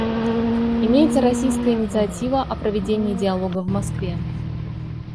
Имеется российская инициатива о проведении диалога в Москве.